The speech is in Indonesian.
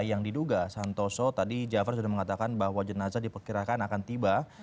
yang diduga santoso tadi jafar sudah mengatakan bahwa jenazah diperkirakan akan tiba